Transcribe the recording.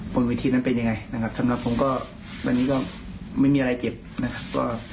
วิธีนั้นเป็นยังไงนะครับสำหรับผมก็วันนี้ก็ไม่มีอะไรเก็บนะครับ